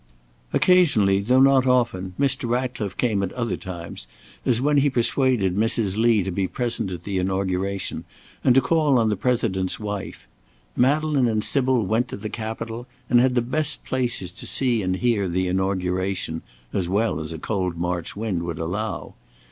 Occasionally, though not often, Mr. Ratcliffe came at other times, as when he persuaded Mrs. Lee to be present at the Inauguration, and to call on the President's wife. Madeleine and Sybil went to the Capitol and had the best places to see and hear the Inauguration, as well as a cold March wind would allow.